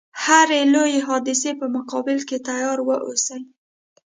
هري لويي حادثې په مقابل کې تیار و اوسي.